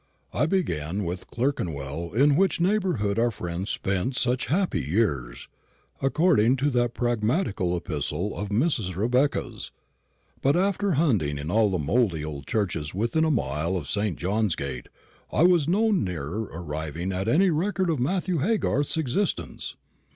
I began with Clerkenwell, in which neighbourhood our friend spent such happy years, according to that pragmatical epistle of Mrs. Rebecca's; but after hunting in all the mouldy old churches within a mile of St. John's gate, I was no nearer arriving at any record of Matthew Haygarth's existence.